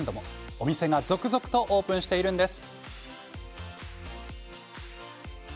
お店が続々とオープンしているんです。